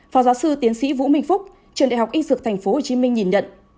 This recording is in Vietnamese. phó giáo sư tiến sĩ vũ minh phúc trường đại học y dược tp hcm nhìn nhận